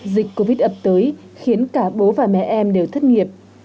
dịch covid ập tới khiến cả bố và mẹ em đều thất nghiệp